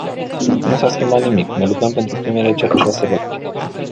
Nu s-a schimbat nimic, ne luptăm pentru primele șase locuri.